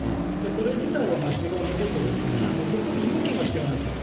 これ自体は間違ってて、ここに要件が必要なんですよ。